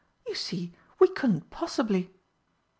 You see, we couldn't possibly